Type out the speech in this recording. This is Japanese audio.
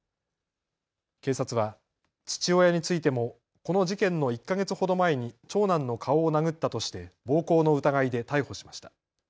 警察は父親についてもこの事件の１か月ほど前に長男の顔を殴ったとして暴行の疑いで逮捕しました。